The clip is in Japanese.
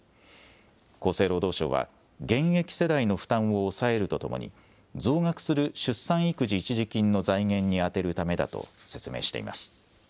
厚生労働省は、現役世代の負担を抑えるとともに、増額する出産育児一時金の財源に充てるためだと説明しています。